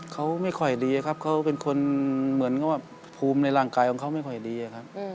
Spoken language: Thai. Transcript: เขาไม่ค่อยดีครับเขาเป็นคนเหมือนกับว่าภูมิในร่างกายของเขาไม่ค่อยดีครับ